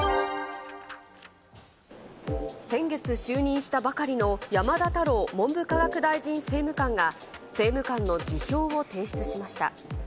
先月就任したばかりの山田太郎文部科学大臣政務官が政務官の辞表を提出しました。